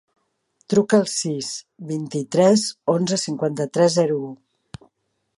Truca al sis, vint-i-tres, onze, cinquanta-tres, zero, u.